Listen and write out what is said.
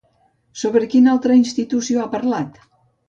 Sobre quina altra institució ha parlat?